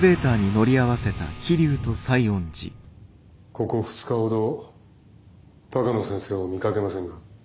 ここ２日ほど鷹野先生を見かけませんが。